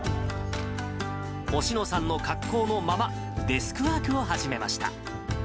おしのさんの格好のまま、デスクワークを始めました。